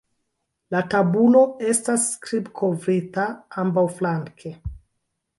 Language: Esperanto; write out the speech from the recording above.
La tabulo estas skrib-kovrita ambaŭflanke.